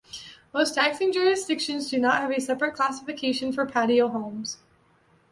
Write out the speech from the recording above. Most taxing jurisdictions do not have a separate classification for patio homes.